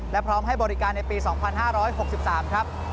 และพร้อมให้บริการในปี๒๕๖๓ครับ